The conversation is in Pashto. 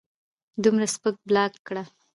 دومره سپک بلاک کړۀ